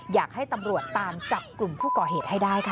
อยากให้ตำรวจตามจับกลุ่มผู้ก่อเหตุให้ได้ค่ะ